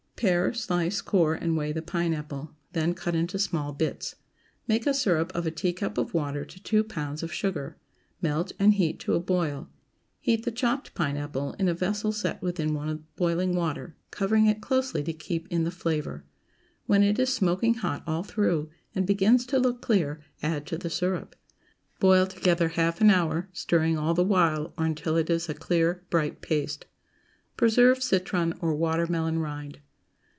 Pare, slice, core, and weigh the pineapple; then cut into small bits. Make a syrup of a teacup of water to two pounds of sugar; melt, and heat to a boil. Heat the chopped pineapple in a vessel set within one of boiling water, covering it closely to keep in the flavor. When it is smoking hot all through, and begins to look clear, add to the syrup. Boil together half an hour, stirring all the while, or until it is a clear, bright paste. PRESERVED CITRON OR WATER MELON RIND.